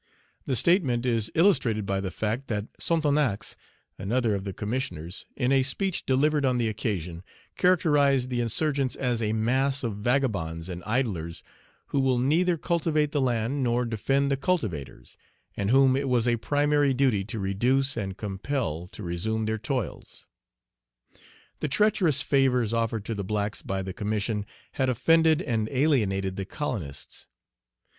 The statement is illustrated by the fact that Sonthonax, another of the Commissioners, in a speech delivered on the occasion, characterized the insurgents as "a mass of vagabonds and idlers, who will neither cultivate the land nor defend the cultivators," and whom it was a primary duty to reduce and compel to resume their toils. The treacherous favors offered to the blacks by the Commission had offended and alienated the colonists.